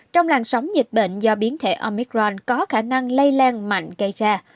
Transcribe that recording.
trong làn sóng dịch bệnh do biến thể omicron có khả năng lây lan mạnh gây ra